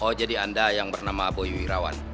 oh jadi anda yang bernama boy irawan